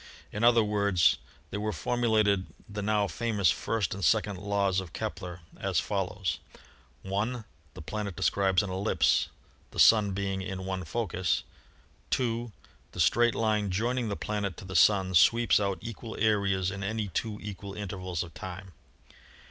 In other words, there were formulated the now famous first and second laws of Kepler as follows : i. The planet describes an ellipse, the Sun being in one focus. A Fig. 12 — Equal Areas in Equal Times. 2. The straight line joining the planet to the Sun sweeps out equal areas in any two equal intervals of time.